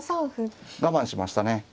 我慢しましたね。